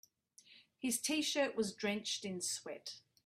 His t-shirt was drenched in sweat.